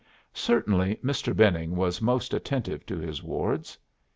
Certainly Mr. Benning was most attentive to his wards.